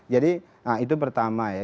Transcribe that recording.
jadi itu pertama ya